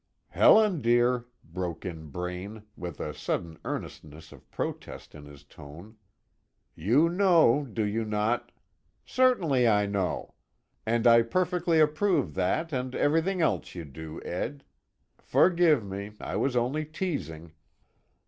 "Helen dear," broke in Braine, with a sudden earnestness of protest in his tone, "you know, do you not " "Certainly I know, and I perfectly approve that and everything else you do, Ed. Forgive me. I was only teasing."